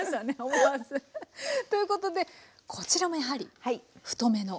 思わず。ということでこちらもやはり太めの。